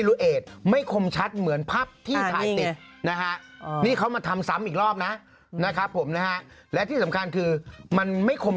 อืมอืมอืมอืมอืมอืมอืม